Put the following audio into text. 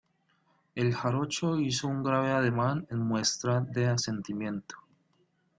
el jarocho hizo un grave ademán en muestra de asentimiento: